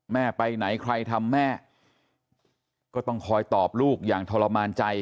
แม่ไปไหนใครทำแม่ก็ต้องคอยตอบลูกอย่างทรมานใจ